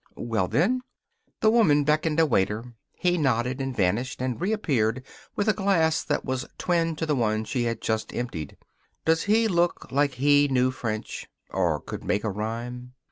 "Well, then?" The woman beckoned a waiter; he nodded and vanished, and reappeared with a glass that was twin to the one she had just emptied. "Does he look like he knew French? Or could make a rhyme?"